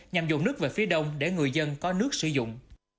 nhằm dùng nước về phía đông để người dân có nước sử dụng